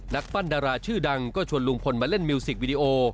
นักปั้นดาราชื่อดังก็ชวนลุงพลมาเล่นมิวสิกวิดีโอ